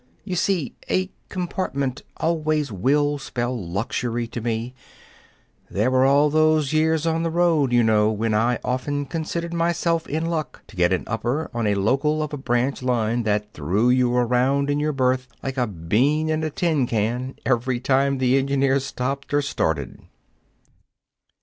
You see, a compartment always will spell luxury to me. There were all those years on the road, you know, when I often considered myself in luck to get an upper on a local of a branch line that threw you around in your berth like a bean in a tin can every time the engineer stopped or started."